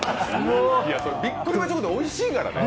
ビックリマンチョコっておいしいですからね。